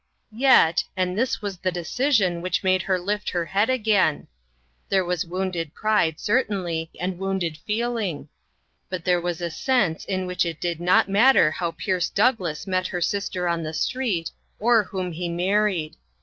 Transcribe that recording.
Yet, and this was the decision which made her lift her head again. There was wounded pride, certainly, and wounded feel ing ; but there was a sense in which it did not matter how Pierce Douglass met her sister on the street, or whom he married.